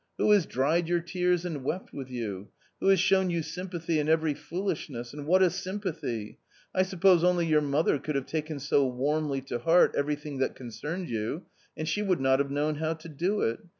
Who has dried your tears and wept with you ? Who has shown you sympathy in every foolishness, and what a sympathy ! I suppose only your mother could have taken so warmly to heart everything that concerned you, and she would not have known how to do it.